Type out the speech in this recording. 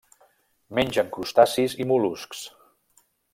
Mengen crustacis i mol·luscs.